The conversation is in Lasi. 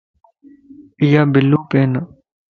ايا بلو پين ائي.